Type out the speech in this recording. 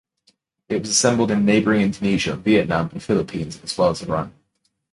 It was assembled in neighbouring Indonesia, Vietnam and Philippines, as well as Iran.